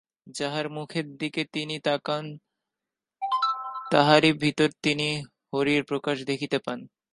যাহার মুখের দিকে তিনি তাকান, তাহারই ভিতর তিনি হরির প্রকাশ দেখিতে পান।